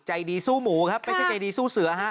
ใจดีสู้หมูครับไม่ใช่ใจดีสู้เสือฮะ